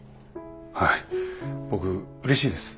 はい僕うれしいです。